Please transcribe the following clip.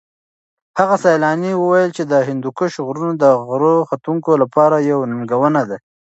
هغه سېلاني وویل چې د هندوکش غرونه د غره ختونکو لپاره یوه ننګونه ده.